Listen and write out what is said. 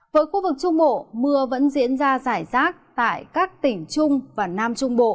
với khu vực trung bộ mưa vẫn diễn ra rải rác tại các tỉnh trung và nam trung bộ